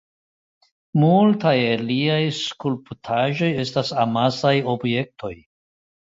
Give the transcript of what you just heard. Multaj el liaj skulptaĵoj estas amasaj objektoj.